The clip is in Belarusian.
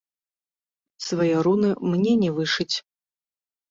Свае руны мне не вышыць.